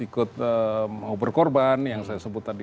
ikut mau berkorban yang saya sebut tadi